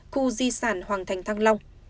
khu di sản hoàng thành thăng long